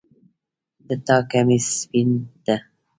د تا کمیس سپین ده